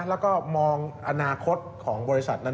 แล้วก็มองอนาคตของบริษัทนั้น